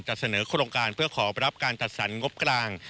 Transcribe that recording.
เสนอโครงการเพื่อขอรับการจัดสรรงบกลาง